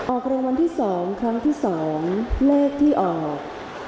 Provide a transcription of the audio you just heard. ออกรวมที่สองครั้งที่สองเลขที่ออก